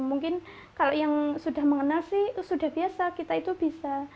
mungkin kalau yang sudah mengenal sih sudah biasa kita itu bisa